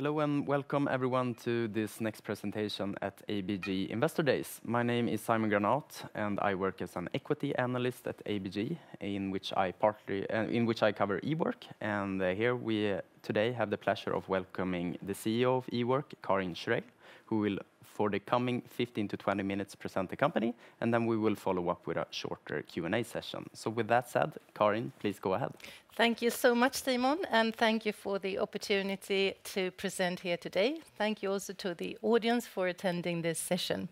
Hello, and welcome everyone to this next presentation at ABG Investor Days. My name is Simon Granath, and I work as an equity analyst at ABG, in which I partly, in which I cover Ework. And, here we, today have the pleasure of welcoming the CEO of Ework, Karin Schreil, who will, for the coming 15-20 minutes, present the company, and then we will follow up with a shorter Q&A session. So with that said, Karin, please go ahead. Thank you so much, Simon, and thank you for the opportunity to present here today. Thank you also to the audience for attending this session.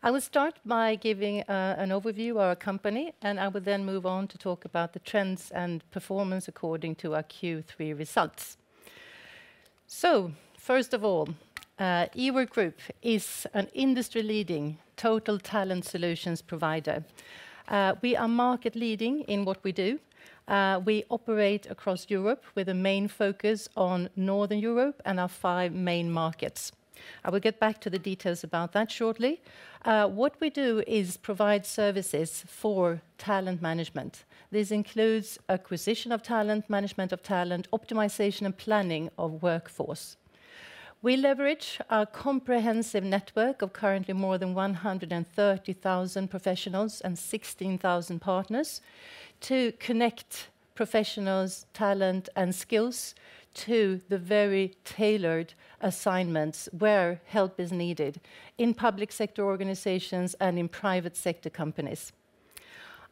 I will start by giving an overview of our company, and I will then move on to talk about the trends and performance according to our Q3 results. So first of all, Ework Group is an industry-leading total talent solutions provider. We are market leading in what we do. We operate across Europe with a main focus on Northern Europe and our five main markets. I will get back to the details about that shortly. What we do is provide services for talent management. This includes acquisition of talent, management of talent, optimization and planning of workforce. We leverage our comprehensive network of currently more than 130,000 professionals and 16,000 partners to connect professionals, talent, and skills to the very tailored assignments where help is needed in public sector organizations and in private sector companies.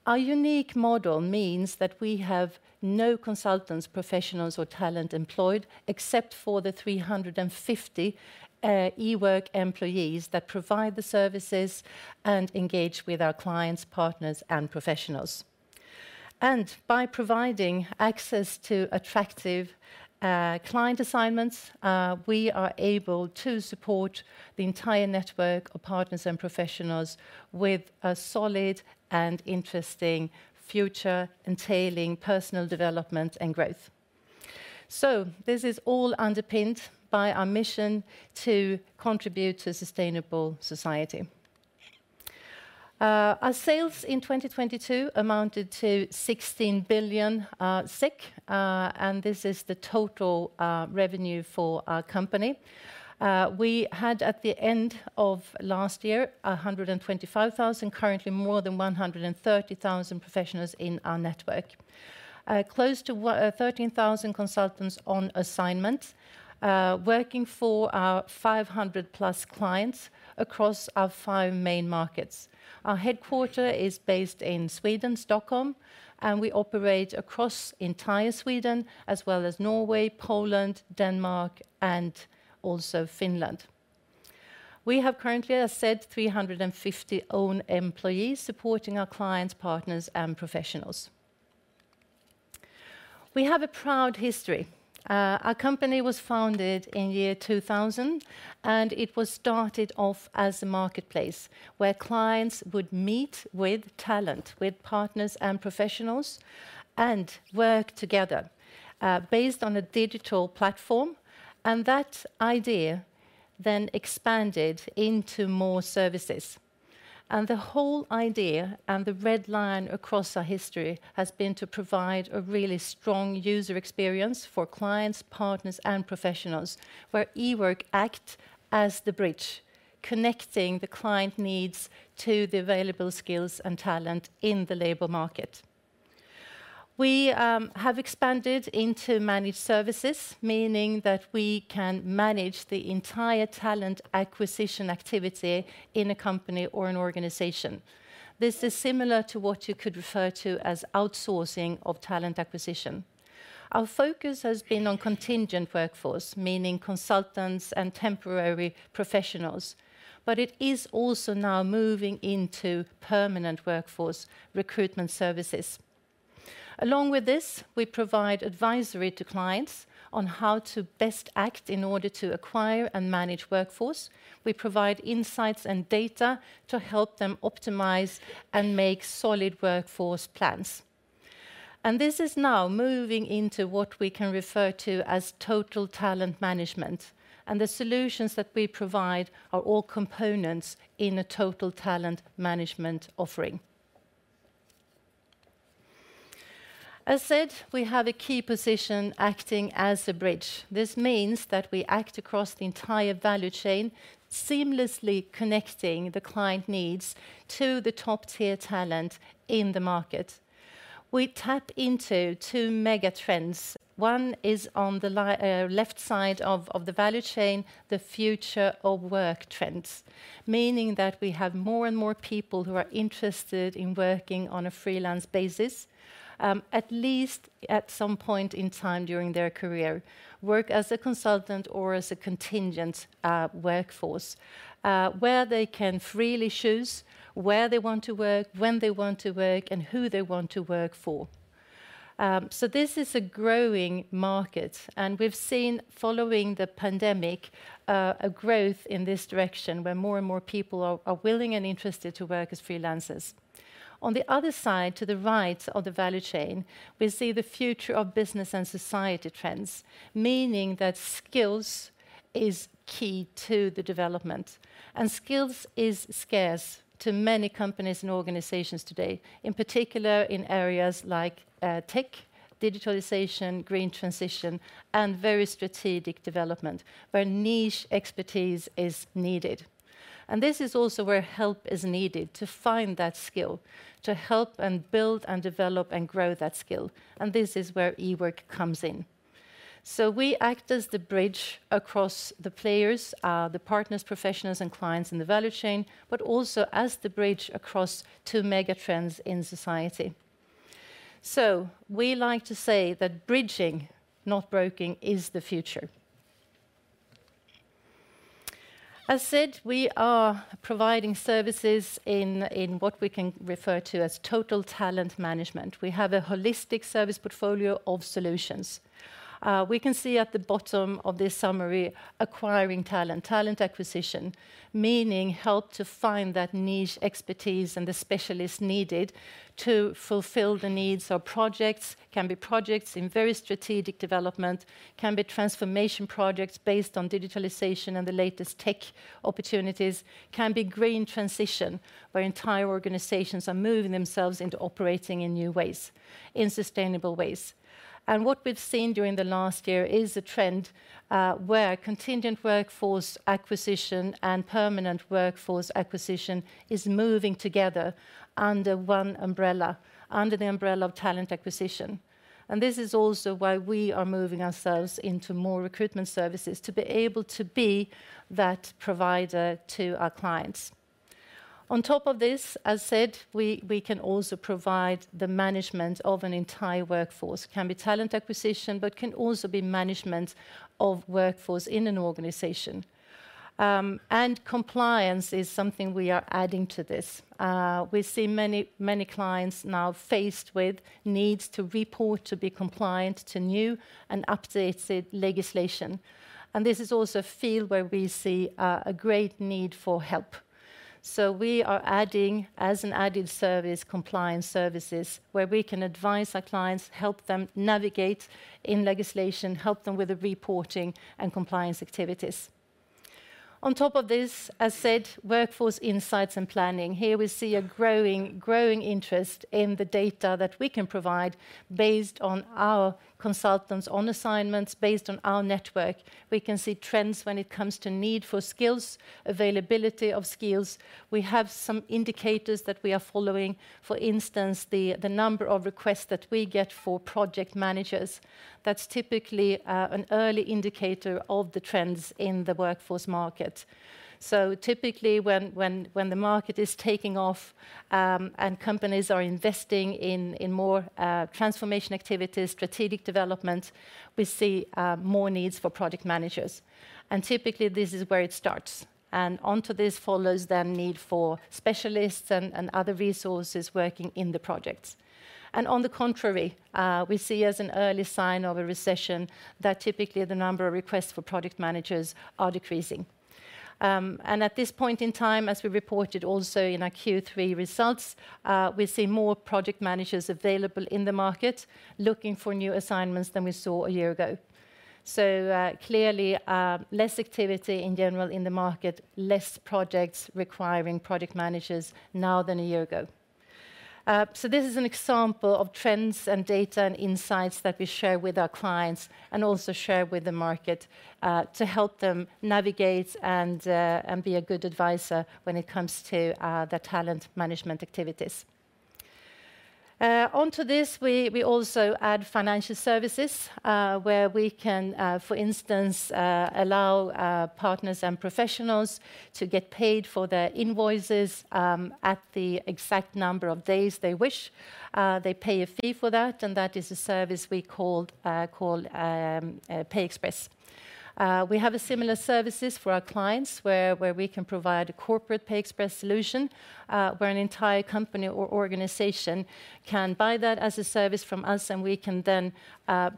Our unique model means that we have no consultants, professionals, or talent employed, except for the 350 Ework employees that provide the services and engage with our clients, partners, and professionals. By providing access to attractive client assignments, we are able to support the entire network of partners and professionals with a solid and interesting future entailing personal development and growth. This is all underpinned by our mission to contribute to a sustainable society. Our sales in 2022 amounted to 16 billion, and this is the total revenue for our company. We had at the end of last year, 125,000, currently more than 130,000 professionals in our network. Close to thirteen thousand consultants on assignment, working for our 500+ clients across our five main markets. Our headquarters is based in Sweden, Stockholm, and we operate across entire Sweden, as well as Norway, Poland, Denmark, and also Finland. We have currently, as said, 350 own employees supporting our clients, partners, and professionals. We have a proud history. Our company was founded in year 2000, and it was started off as a marketplace where clients would meet with talent, with partners and professionals, and work together, based on a digital platform, and that idea then expanded into more services. The whole idea and the red line across our history has been to provide a really strong user experience for clients, partners, and professionals, where Ework acts as the bridge, connecting the client needs to the available skills and talent in the labor market. We have expanded into managed services, meaning that we can manage the entire talent acquisition activity in a company or an organization. This is similar to what you could refer to as outsourcing of talent acquisition. Our focus has been on contingent workforce, meaning consultants and temporary professionals, but it is also now moving into permanent workforce recruitment services. Along with this, we provide advisory to clients on how to best act in order to acquire and manage workforce. We provide insights and data to help them optimize and make solid workforce plans. This is now moving into what we can refer to as Total Talent Management, and the solutions that we provide are all components in a Total Talent Management offering. As said, we have a key position acting as a bridge. This means that we act across the entire value chain, seamlessly connecting the client needs to the top-tier talent in the market. We tap into two mega trends. One is on the left side of the value chain, the future of work trends, meaning that we have more and more people who are interested in working on a freelance basis, at least at some point in time during their career, work as a consultant or as a contingent workforce, where they can freely choose where they want to work, when they want to work, and who they want to work for. So this is a growing market, and we've seen, following the pandemic, a growth in this direction, where more and more people are willing and interested to work as freelancers. On the other side, to the right of the value chain, we see the future of business and society trends, meaning that skills is key to the development, and skills is scarce to many companies and organizations today, in particular in areas like tech, digitalization, green transition, and very strategic development where niche expertise is needed. And this is also where help is needed to find that skill, to help and build and develop and grow that skill, and this is where Ework comes in. So we act as the bridge across the players, the partners, professionals, and clients in the value chain, but also as the bridge across two mega trends in society. So we like to say that bridging, not breaking, is the future. As said, we are providing services in what we can refer to as total talent management. We have a holistic service portfolio of solutions. We can see at the bottom of this summary, acquiring talent, talent acquisition, meaning help to find that niche expertise and the specialists needed to fulfill the needs of projects, can be projects in very strategic development, can be transformation projects based on digitalization and the latest tech opportunities, can be green transition, where entire organizations are moving themselves into operating in new ways, in sustainable ways. And what we've seen during the last year is a trend, where contingent workforce acquisition and permanent workforce acquisition is moving together under one umbrella, under the umbrella of talent acquisition. This is also why we are moving ourselves into more recruitment services to be able to be that provider to our clients. On top of this, as said, we, we can also provide the management of an entire workforce. Can be talent acquisition, but can also be management of workforce in an organization. And compliance is something we are adding to this. We see many, many clients now faced with needs to report to be compliant to new and updated legislation. This is also a field where we see a great need for help. We are adding, as an added service, compliance services, where we can advise our clients, help them navigate in legislation, help them with the reporting and compliance activities. On top of this, as said, workforce insights and planning. Here we see a growing interest in the data that we can provide based on our consultants on assignments, based on our network. We can see trends when it comes to need for skills, availability of skills. We have some indicators that we are following, for instance, the number of requests that we get for project managers. That's typically an early indicator of the trends in the workforce market. So typically, when the market is taking off, and companies are investing in more transformation activities, strategic development, we see more needs for project managers. And typically, this is where it starts. And onto this follows then need for specialists and other resources working in the projects. On the contrary, we see as an early sign of a recession, that typically the number of requests for project managers are decreasing. At this point in time, as we reported also in our Q3 results, we see more project managers available in the market looking for new assignments than we saw a year ago. Clearly, less activity in general in the market, less projects requiring project managers now than a year ago. This is an example of trends and data and insights that we share with our clients and also share with the market, to help them navigate and be a good advisor when it comes to their talent management activities. Onto this, we also add financial services, where we can, for instance, allow partners and professionals to get paid for their invoices, at the exact number of days they wish. They pay a fee for that, and that is a service we call PayExpress. We have a similar services for our clients, where we can provide a corporate PayExpress solution, where an entire company or organization can buy that as a service from us, and we can then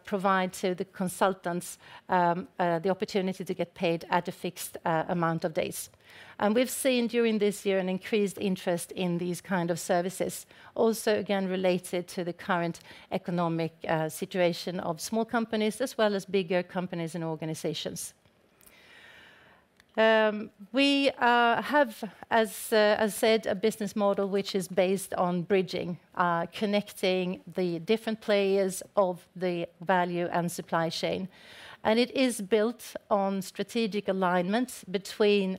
provide to the consultants the opportunity to get paid at a fixed amount of days. And we've seen during this year an increased interest in these kind of services. Also, again, related to the current economic situation of small companies as well as bigger companies and organizations. We have, as I said, a business model which is based on bridging, connecting the different players of the value and supply chain. And it is built on strategic alignments between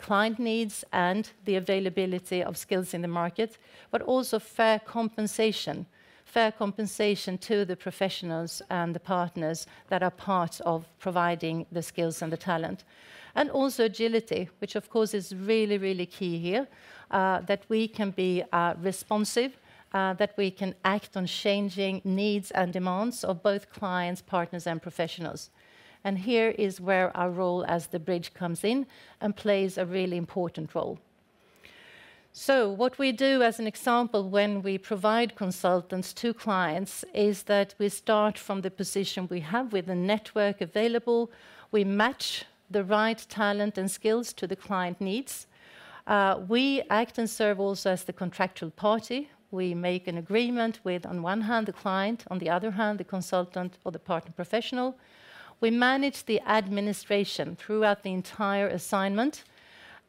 client needs and the availability of skills in the market, but also fair compensation, fair compensation to the professionals and the partners that are part of providing the skills and the talent. And also agility, which of course, is really, really key here, that we can be responsive, that we can act on changing needs and demands of both clients, partners and professionals. And here is where our role as the bridge comes in and plays a really important role. So what we do as an example, when we provide consultants to clients, is that we start from the position we have with the network available. We match the right talent and skills to the client needs. We act and serve also as the contractual party. We make an agreement with, on one hand, the client, on the other hand, the consultant or the partner professional. We manage the administration throughout the entire assignment,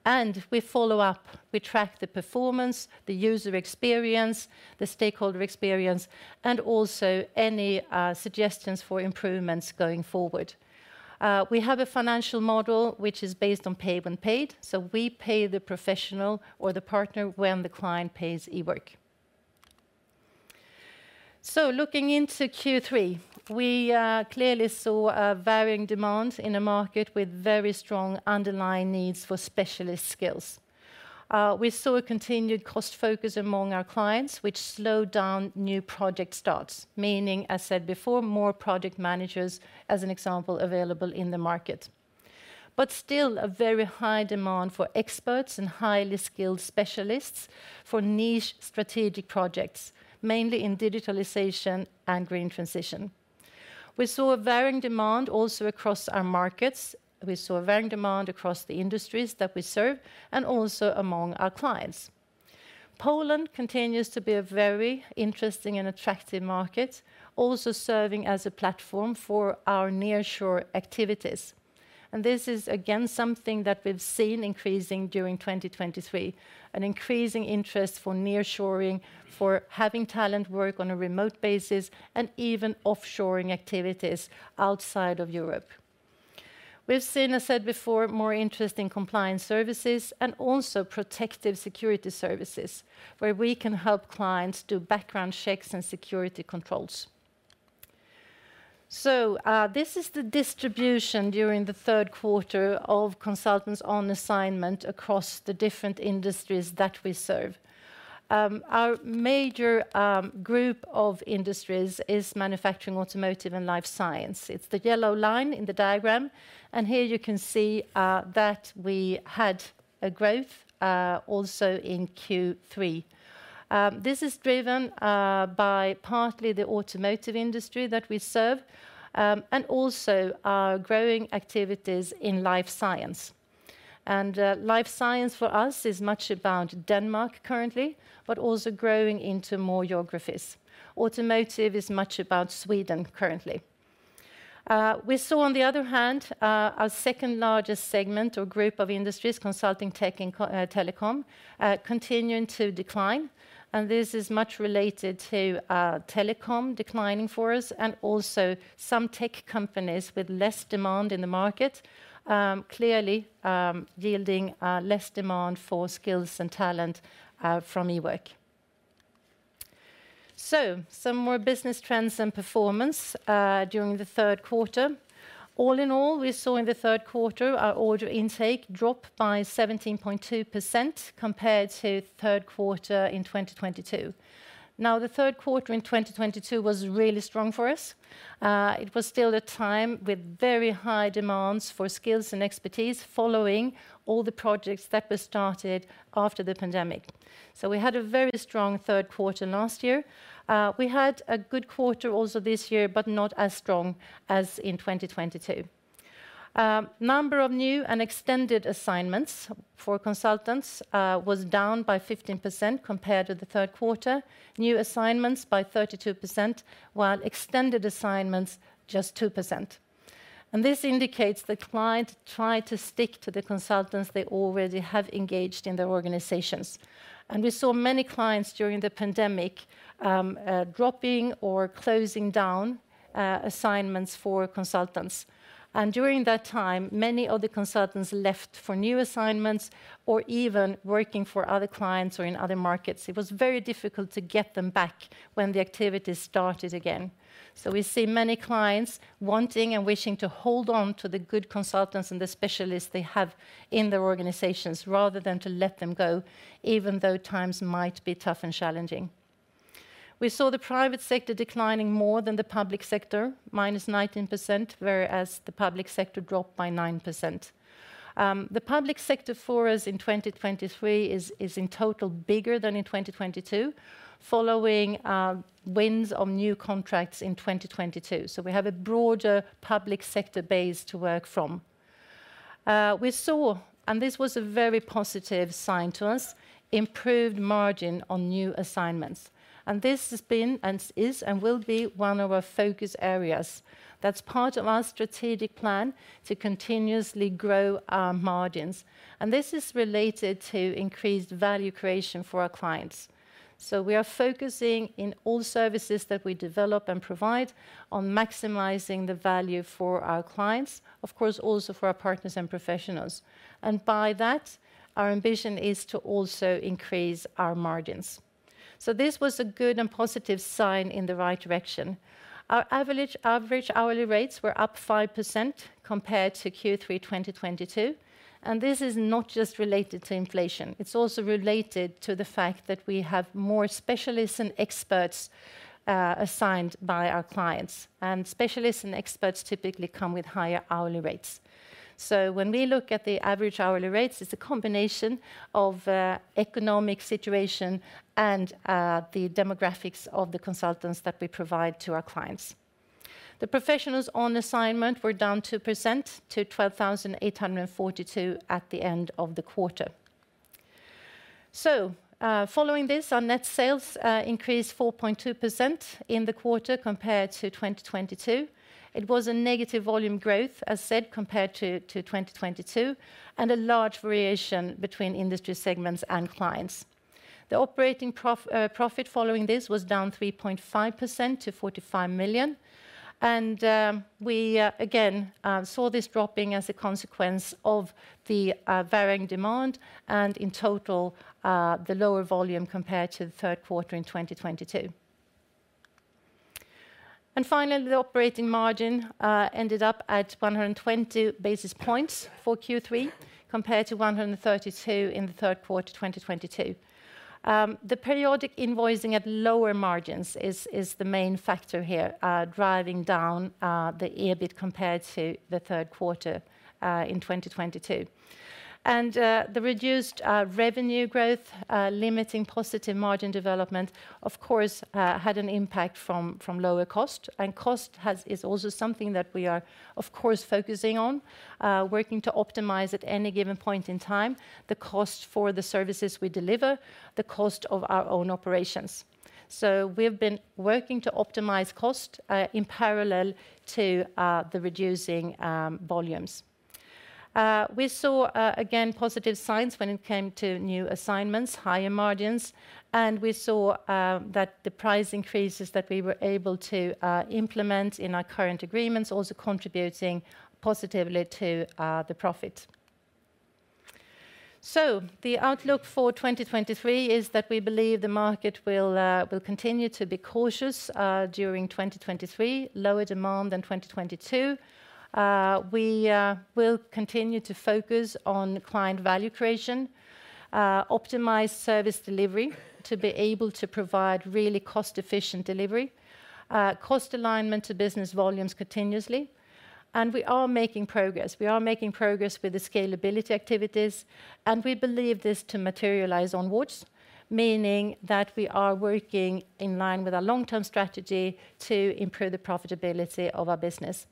and we follow up. We track the performance, the user experience, the stakeholder experience, and also any, suggestions for improvements going forward. We have a financial model which is based on pay-when-paid. So we pay the professional or the partner when the client pays Ework. So looking into Q3, we clearly saw a varying demand in a market with very strong underlying needs for specialist skills. We saw a continued cost focus among our clients, which slowed down new project starts, meaning, as said before, more project managers, as an example, available in the market. But still a very high demand for experts and highly skilled specialists for niche strategic projects, mainly in digitalization and green transition. We saw a varying demand also across our markets. We saw a varying demand across the industries that we serve and also among our clients. Poland continues to be a very interesting and attractive market, also serving as a platform for our nearshore activities. And this is, again, something that we've seen increasing during 2023, an increasing interest for nearshoring, for having talent work on a remote basis, and even offshoring activities outside of Europe. We've seen, as said before, more interest in compliance services and also protective security services, where we can help clients do background checks and security controls. So, this is the distribution during the third quarter of consultants on assignment across the different industries that we serve. Our major group of industries is manufacturing, automotive, and life science. It's the yellow line in the diagram, and here you can see that we had a growth also in Q3. This is driven by partly the automotive industry that we serve and also our growing activities in life science. Life science for us is much about Denmark currently, but also growing into more geographies. Automotive is much about Sweden currently. We saw, on the other hand, our second-largest segment or group of industries, consulting, tech, and telecom, continuing to decline, and this is much related to telecom declining for us and also some tech companies with less demand in the market, clearly yielding less demand for skills and talent from Ework. So some more business trends and performance during the third quarter. All in all, we saw in the third quarter our order intake drop by 17.2% compared to third quarter in 2022. Now, the third quarter in 2022 was really strong for us. It was still a time with very high demands for skills and expertise, following all the projects that were started after the pandemic. So we had a very strong third quarter last year. We had a good quarter also this year, but not as strong as in 2022. Number of new and extended assignments for consultants was down by 15% compared to the third quarter, new assignments by 32%, while extended assignments, just 2%. And this indicates the client tried to stick to the consultants they already have engaged in their organizations. We saw many clients during the pandemic, dropping or closing down, assignments for consultants. During that time, many of the consultants left for new assignments or even working for other clients or in other markets. It was very difficult to get them back when the activities started again. We see many clients wanting and wishing to hold on to the good consultants and the specialists they have in their organizations, rather than to let them go, even though times might be tough and challenging. We saw the private sector declining more than the public sector, -19%, whereas the public sector dropped by 9%. The public sector for us in 2023 is, is in total bigger than in 2022, following, wins on new contracts in 2022. We have a broader public sector base to work from. We saw, and this was a very positive sign to us, improved margin on new assignments. This has been, and is, and will be one of our focus areas. That's part of our strategic plan to continuously grow our margins, and this is related to increased value creation for our clients. We are focusing in all services that we develop and provide on maximizing the value for our clients, of course, also for our partners and professionals. By that, our ambition is to also increase our margins. This was a good and positive sign in the right direction... Our average hourly rates were up 5% compared to Q3 2022, and this is not just related to inflation. It's also related to the fact that we have more specialists and experts, assigned by our clients, and specialists and experts typically come with higher hourly rates. So when we look at the average hourly rates, it's a combination of, economic situation and, the demographics of the consultants that we provide to our clients. The professionals on assignment were down 2% to 12,842 at the end of the quarter. So, following this, our net sales, increased 4.2% in the quarter compared to 2022. It was a negative volume growth, as said, compared to 2022, and a large variation between industry segments and clients. The operating profit following this was down 3.5% to 45 million, and we again saw this dropping as a consequence of the varying demand and in total the lower volume compared to the third quarter in 2022. Finally, the operating margin ended up at 120 basis points for Q3, compared to 132 in the third quarter 2022. The periodic invoicing at lower margins is the main factor here driving down the EBIT compared to the third quarter in 2022. The reduced revenue growth limiting positive margin development, of course, had an impact from lower cost, and cost is also something that we are, of course, focusing on, working to optimize at any given point in time, the cost for the services we deliver, the cost of our own operations. So we've been working to optimize cost in parallel to the reducing volumes. We saw again positive signs when it came to new assignments, higher margins, and we saw that the price increases that we were able to implement in our current agreements also contributing positively to the profit. So the outlook for 2023 is that we believe the market will continue to be cautious during 2023, lower demand than 2022. We will continue to focus on client value creation, optimize service delivery to be able to provide really cost-efficient delivery, cost alignment to business volumes continuously, and we are making progress. We are making progress with the scalability activities, and we believe this to materialize onwards, meaning that we are working in line with our long-term strategy to improve the profitability of our business.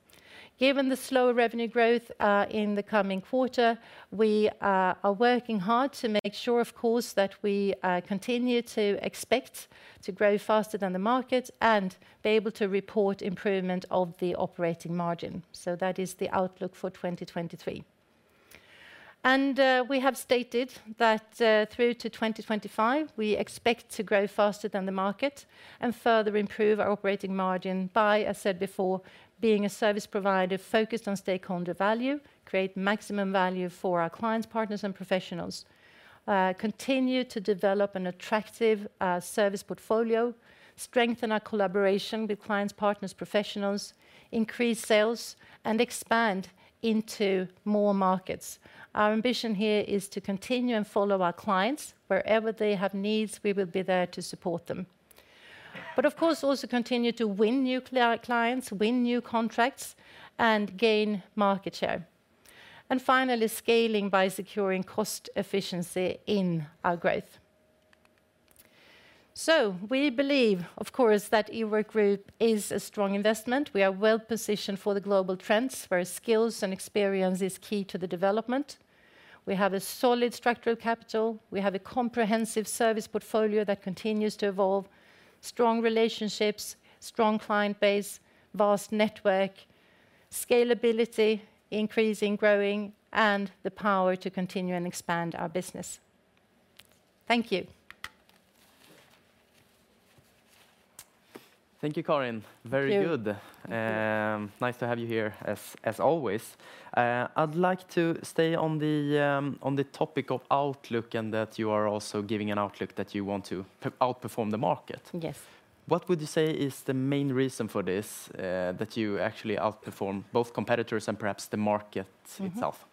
Given the slower revenue growth in the coming quarter, we are working hard to make sure, of course, that we continue to expect to grow faster than the market and be able to report improvement of the operating margin. So that is the outlook for 2023. We have stated that, through to 2025, we expect to grow faster than the market and further improve our operating margin by, as said before, being a service provider focused on stakeholder value, create maximum value for our clients, partners, and professionals, continue to develop an attractive service portfolio, strengthen our collaboration with clients, partners, professionals, increase sales and expand into more markets. Our ambition here is to continue and follow our clients. Wherever they have needs, we will be there to support them. But of course, also continue to win new clients, win new contracts, and gain market share. And finally, scaling by securing cost efficiency in our growth. So we believe, of course, that Ework Group is a strong investment. We are well positioned for the global trends, where skills and experience is key to the development. We have a solid structural capital. We have a comprehensive service portfolio that continues to evolve, strong relationships, strong client base, vast network, scalability, increasing, growing, and the power to continue and expand our business. Thank you. Thank you, Karin. Thank you. Very good. Nice to have you here as always. I'd like to stay on the topic of outlook and that you are also giving an outlook that you want to outperform the market. Yes. What would you say is the main reason for this, that you actually outperform both competitors and perhaps the market itself?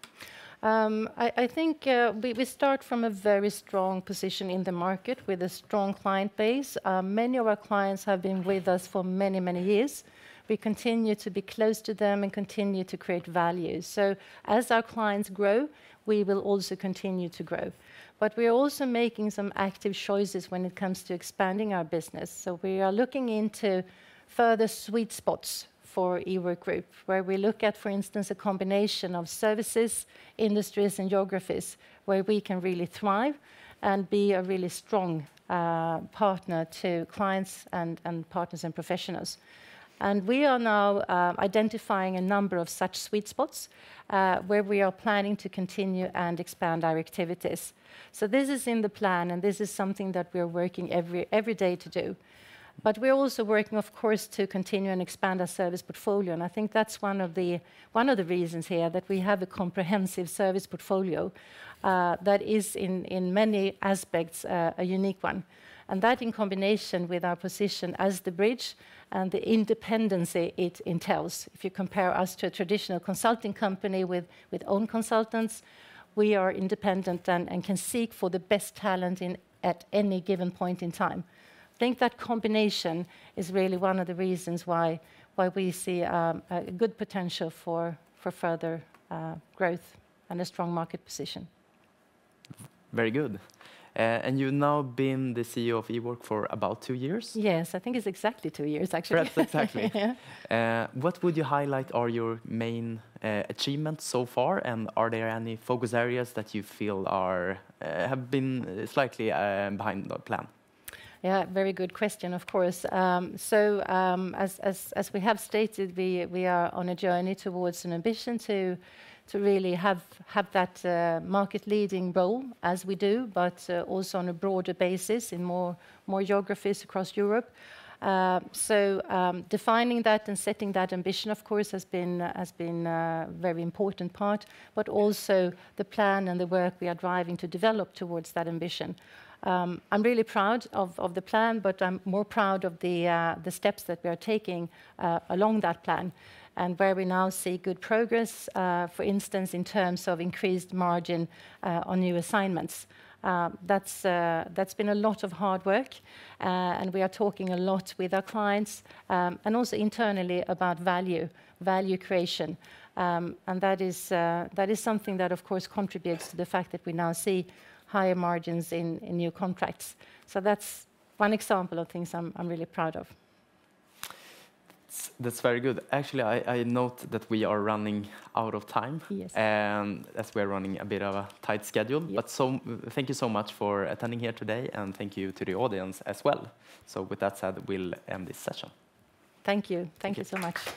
I think we start from a very strong position in the market with a strong client base. Many of our clients have been with us for many, many years. We continue to be close to them and continue to create value. So as our clients grow, we will also continue to grow. But we're also making some active choices when it comes to expanding our business, so we are looking into further sweet spots for Ework Group, where we look at, for instance, a combination of services, industries, and geographies where we can really thrive and be a really strong partner to clients and partners and professionals. And we are now identifying a number of such sweet spots, where we are planning to continue and expand our activities. So this is in the plan, and this is something that we are working every day to do. But we're also working, of course, to continue and expand our service portfolio, and I think that's one of the reasons here that we have a comprehensive service portfolio that is in many aspects a unique one. And that in combination with our position as the bridge and the independency it entails, if you compare us to a traditional consulting company with own consultants, we are independent and can seek for the best talent in at any given point in time. I think that combination is really one of the reasons why we see a good potential for further growth and a strong market position. Very good. You've now been the CEO of Ework for about two years? Yes. I think it's exactly two years, actually. Yes, exactly. Yeah. What would you highlight are your main achievements so far, and are there any focus areas that you feel are have been slightly behind the plan? Yeah, very good question, of course. So, as we have stated, we are on a journey towards an ambition to really have that market-leading role as we do, but also on a broader basis in more geographies across Europe. So, defining that and setting that ambition, of course, has been a very important part, but also the plan and the work we are driving to develop towards that ambition. I'm really proud of the plan, but I'm more proud of the steps that we are taking along that plan and where we now see good progress, for instance, in terms of increased margin on new assignments. That's been a lot of hard work, and we are talking a lot with our clients, and also internally about value, value creation. And that is something that, of course, contributes to the fact that we now see higher margins in new contracts. So that's one example of things I'm really proud of. That's very good. Actually, I note that we are running out of time- Yes... as we're running a bit of a tight schedule. Yeah. So thank you so much for attending here today, and thank you to the audience as well. So with that said, we'll end this session. Thank you. Thank you. Thank you so much.